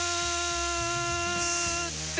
って